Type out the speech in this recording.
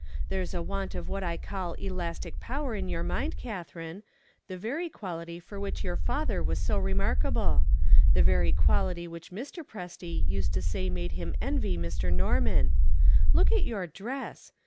There's a want of what I call elastic power in your mind, Catherine the very quality for which your father was so remarkable; the very quality which Mr. Presty used to say made him envy Mr. Norman. Look at your dress!